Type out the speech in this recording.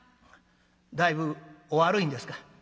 「だいぶお悪いんですか？」。